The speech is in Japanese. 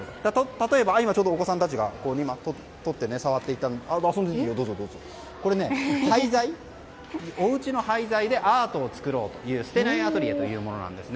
例えば、お子さんたちが触っていたこれ、おうちの廃材でアートを作ろうというステナイアトリエというものです。